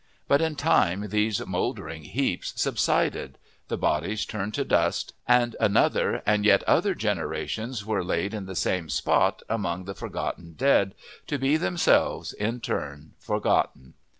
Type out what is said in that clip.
But in time these "mouldering heaps" subsided, the bodies turned to dust, and another and yet other generations were laid in the same place among the forgotten dead, to be themselves in turn forgotten.